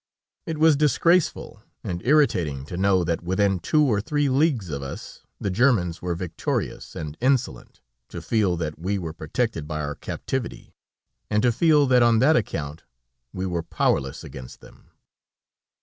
It was disgraceful and irritating to know that within two or three leagues of us, the Germans were victorious and insolent, to feel that we were protected by our captivity, and to feel that on that account we were powerless against them.